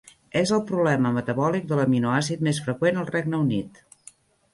És el problema metabòlic de l'aminoàcid més freqüent al Regne Unit.